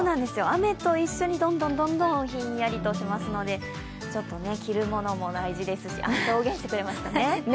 雨と一緒に、どんどんひんやりとしますので、ちょっと着るものも大事ですし、表現してくれましたね。